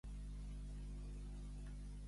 Què no para de produir-se a Ciutadans?